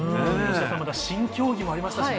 新競技もありましたしね。